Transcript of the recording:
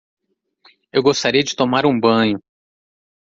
Eu gostaria de tomar um banho.